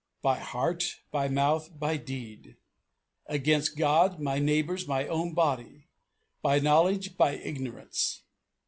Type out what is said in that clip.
By heart, by mouth, by deed. Against God, my neighbours, my own body. By knowledge, by ignorance.